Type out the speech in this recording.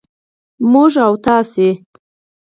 موږ و تاسې